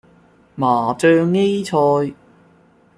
麻醬 A 菜